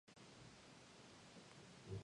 All songs written by Carol Decker and Ron Rogers.